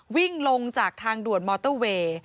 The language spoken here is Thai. วิ่งลงจากทางด่วนมอเตอร์เวย์